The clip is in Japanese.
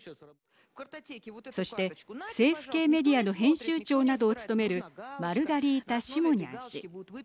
そして、政府系メディアの編集長などを務めるマルガリータ・シモニャン氏。